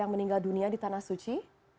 yang meninggal dunia di tanah suci